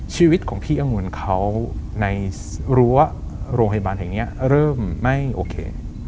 ชีวิตของพี่องุ่นเขาในรั้วโรงพยาบาลแห่งนี้เริ่มไม่โอเค